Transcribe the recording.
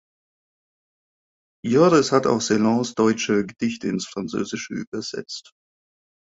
Joris hat auch Celans deutsche Gedichte ins Französische übersetzt.